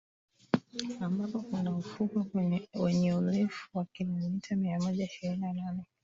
ambapo kuna ufukwe wenye urefu wa kilimeta mia moja ishirini na nne